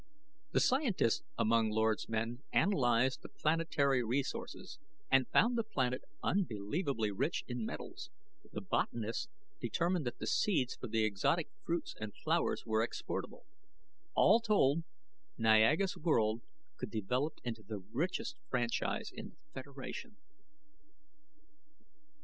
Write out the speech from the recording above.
The scientists among Lord's men analyzed the planetary resources and found the planet unbelievably rich in metals; the botanists determined that the seeds for the exotic fruits and flowers were exportable. All told, Niaga's world could develop into the richest franchise in the Federation.